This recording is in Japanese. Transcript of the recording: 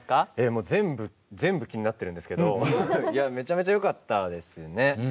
もう全部全部気になってるんですけどめちゃめちゃよかったですね。